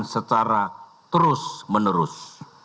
secara terus menerus